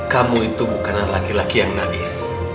kamu itu bukan laki laki yang naif